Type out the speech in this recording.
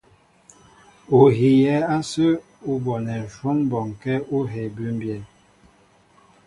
Ú hiyɛ ásə̄ ú bonɛ́ ǹshwɔ́n bɔnkɛ́ ú hēē bʉ́mbyɛ́.